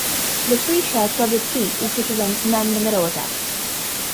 A pre-shared public key also prevents man-in-the-middle attacks.